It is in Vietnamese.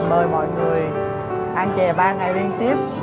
mời mọi người ăn chè ba ngày liên tiếp